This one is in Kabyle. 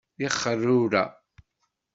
D ixeṛṛurra!